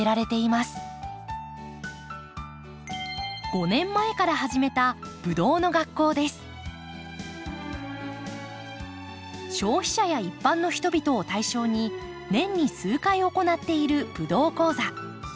５年前から始めた消費者や一般の人々を対象に年に数回行っているブドウ講座。